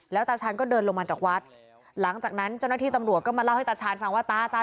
ตาชาญก็เดินลงมาจากวัดหลังจากนั้นเจ้าหน้าที่ตำรวจก็มาเล่าให้ตาชาญฟังว่าตาตา